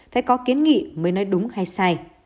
phải có kiến nghị mới nói đúng hay sai